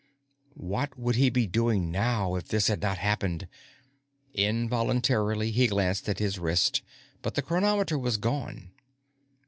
What would he be doing now, if this had not happened? Involuntarily, he glanced at his wrist, but the chronometer was gone.